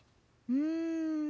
うん。